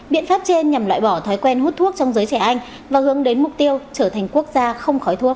biện pháp trên nhằm loại bỏ thói quen hút thuốc trong giới trẻ anh và hướng đến mục tiêu trở thành quốc gia không khói thuốc